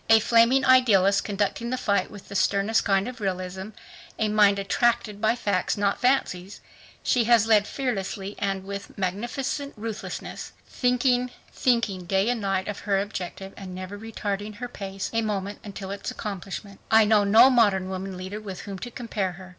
A flaming idealist, conducting the fight with the sternest kind of realism, a mind attracted by facts, not fancies, she has led fearlessly and with magnificent ruthlessness. Thinking, thinking day and night of her objective and never retarding her pace a moment until its accomplishment, I know no modern woman leader with whom to compare her.